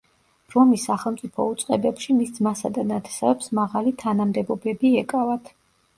რომის სახელმწიფო უწყებებში მის ძმასა და ნათესავებს მაღალი თანამდებობები ეკავათ.